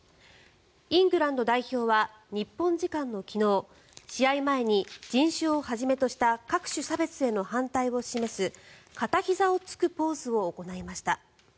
イングランド代表は日本時間の昨日試合前に人種をはじめとした各種差別への反対を示す片ひざをつくポーズを行いました。